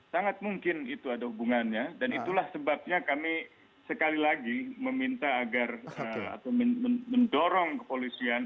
sangat mungkin itu ada hubungannya dan itulah sebabnya kami sekali lagi meminta agar atau mendorong kepolisian